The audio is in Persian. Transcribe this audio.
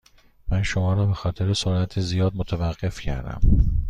من شما را به خاطر سرعت زیاد متوقف کردم.